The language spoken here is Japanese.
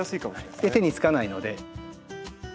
で手につかないので。